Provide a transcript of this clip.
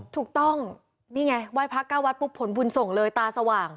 ถูกต้องนี่ไงไหว้พระเก้าวัดปุ๊บผลบุญส่งเลยตาสว่าง